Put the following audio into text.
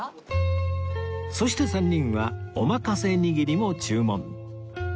そして３人はおまかせ握りも注文